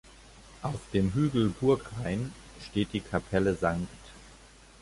Auf dem Hügel Burgrain steht die "Kapelle St.